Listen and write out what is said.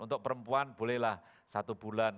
untuk perempuan bolehlah satu bulan